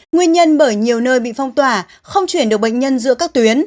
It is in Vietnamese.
nguyên nhân bởi nhiều nơi bị phong tỏa không chuyển được bệnh nhân giữa các tuyến